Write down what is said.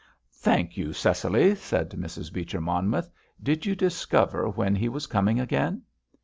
"Thank you, Cecily," said Mrs. Beecher Monmouth. "Did you discover when he was coming again?"